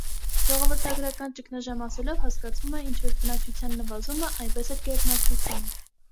Ժողովրդագրական ճգնաժամ ասելով հասկացվում է ինչպես բնակչության նվազումը, այնպես էլ գերբնակչությունը։